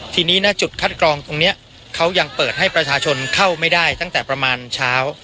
ทีนี้นะจุดคัดกรองตรงนี้เขายังเปิดให้ประชาชนเข้าไม่ได้ตั้งแต่ประมาณเช้า